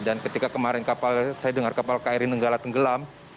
dan ketika kemarin saya dengar kapal kri nanggala tenggelam